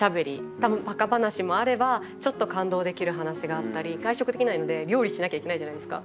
多分バカ話もあればちょっと感動できる話があったり外食できないので料理しなきゃいけないじゃないですか。